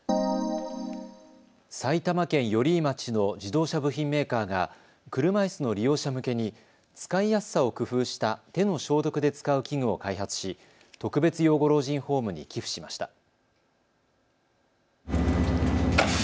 埼玉県寄居町の自動車部品メーカーが車いすの利用者向けに使いやすさを工夫した手の消毒で使う器具を開発し特別養護老人ホームに寄付しました。